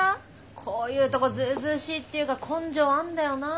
こういうとこずうずうしいっていうか根性あんだよな。